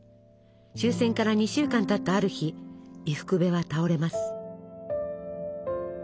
終戦から２週間たったある日伊福部は倒れます。